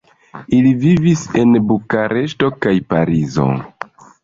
Ili vivis en Bukareŝto kaj Parizo.